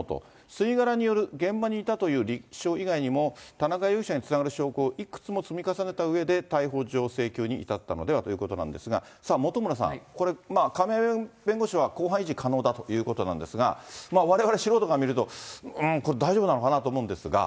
吸い殻による現場にいたという立証以外にも、田中容疑者につながる証拠をいくつも積み重ねたうえで、逮捕状請求に至ったのではということなんですが、本村さん、これ亀井弁護士は公判維持可能だということなんですが、われわれ素人から見ると、うーん、これ大丈夫なのかなと思うんですが。